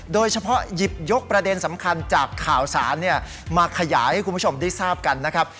โดยเฉพาะหยิบยกประเด็นสำคัญจากข่าวสารมาขยายให้คุณผู้ชมได้ทราบกันนะครับ